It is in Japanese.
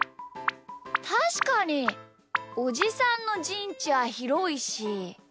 たしかにおじさんのじんちはひろいし。